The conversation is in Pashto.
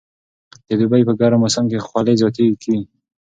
د دوبي په ګرم موسم کې خولې زیاتې کېږي.